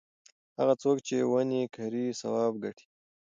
هغه څوک چې ونې کري ثواب ګټي.